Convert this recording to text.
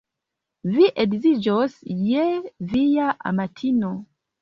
Vi edziĝos je via amatino.